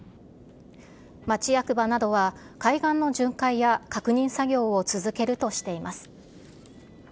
町役場などは、海岸の巡回や確認作業を続けるとしています。